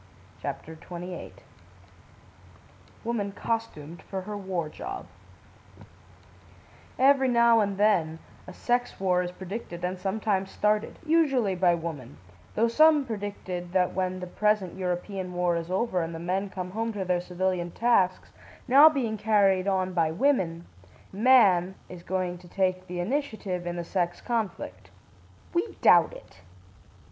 CHAPTER XXVIII WOMAN COSTUMED FOR HER WAR JOB Every now and then a sex war is predicted, and sometimes started, usually by woman, though some predicted that when the present European war is over and the men come home to their civilian tasks, now being carried on by women, man is going to take the initiative, in the sex conflict. We doubt it.